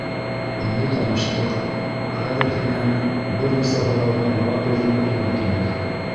Инде таныштыҡ, хәҙер һиңә бер нисә һорауға яуап бирергә тура килер...